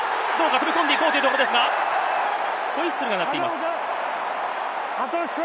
飛び込んでいこうというところですが、ホイッスルが鳴っています。